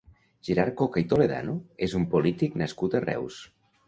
Gerard Coca i Toledano és un polític nascut a Reus.